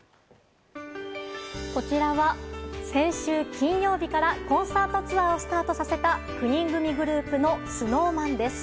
こちらは、先週金曜日からコンサートツアーをスタートさせた９人組グループのＳｎｏｗＭａｎです。